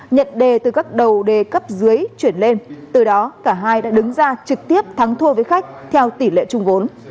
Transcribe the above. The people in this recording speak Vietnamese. nhận đề từ các đầu đề cấp dưới chuyển lên từ đó cả hai đã đứng ra trực tiếp thắng thua với khách theo tỷ lệ chung vốn